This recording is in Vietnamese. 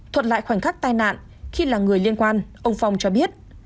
thuận lại khoảnh khắc tai nạn khi là người liên quan ông phong cho biết